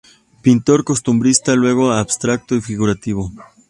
Pintor costumbrista, luego abstracto y figurativo.